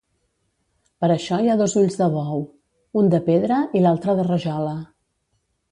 Per això hi ha dos ulls de bou, un de pedra i l'altre de rajola.